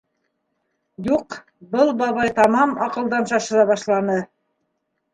Юҡ, был бабай тамам аҡылдан шаша башланы!